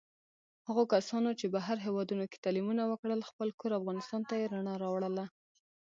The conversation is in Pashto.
هغو کسانو چې بهر هېوادونوکې تعلیمونه وکړل، خپل کور افغانستان ته یې رڼا راوړله.